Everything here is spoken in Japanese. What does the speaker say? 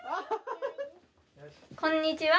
こんにちは。